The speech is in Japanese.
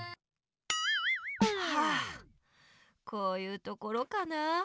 はぁこういうところかな。